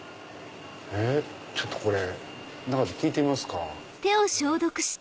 ちょっとこれ中で聞いてみますか。